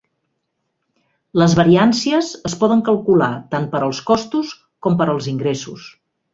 Les variàncies es poden calcular tant per als costos com per als ingressos.